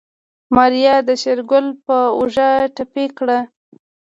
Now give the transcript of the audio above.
ماريا د شېرګل په اوږه ټپي کړه.